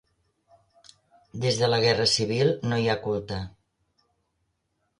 Des de la Guerra Civil no hi ha culte.